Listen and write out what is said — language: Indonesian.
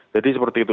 jadi seperti itu